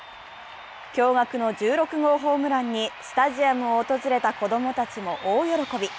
驚がくの１６号ホームランにスタジアムを訪れた子供たちも大喜び。